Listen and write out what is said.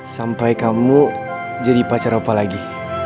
sampai kamu jadi pacar apa lagi